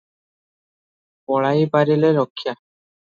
ପଳାଇପାରିଲେ ରକ୍ଷା ।